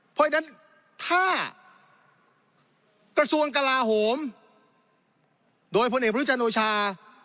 เพราะฉะนั้นถ้ากระทรวงกลาโหมโดยพลเอกประยุจันโอชา